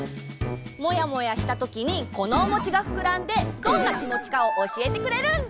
モヤモヤしたときにこのおもちがふくらんでどんなきもちかをおしえてくれるんだ！